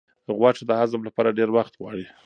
غوښه د هضم لپاره ډېر وخت غواړي.